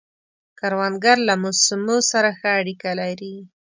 کروندګر له موسمو سره ښه اړیکه لري